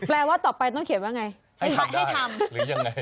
แปลว่าต่อไปต้องเขียนว่าไงให้ทำหรือยังไง